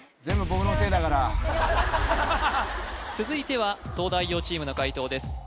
続いては東大王チームの解答です